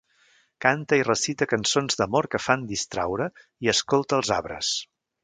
Cante i recite cançons d’amor que fan distraure, i escolte els arbres.